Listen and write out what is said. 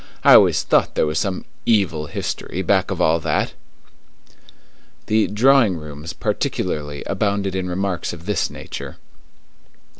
I always thought there was some evil history back of all that." The "drawing rooms" particularly abounded in remarks of this nature.